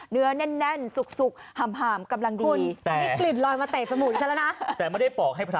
เนื้อแน่นสุกหามกำลังดี